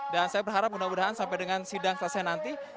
dan saya berharap mudah mudahan sampai dengan sidang selesai nanti